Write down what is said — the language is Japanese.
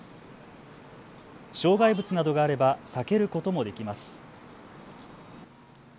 障害物などがあれば避けることもできます。